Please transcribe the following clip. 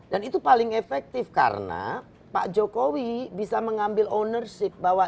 dan itu paling efektif karena pak jokowi bisa mengambil ownership bahwa